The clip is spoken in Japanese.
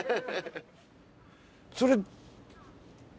それ。